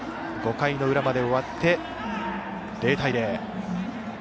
５回の裏まで終わって０対０。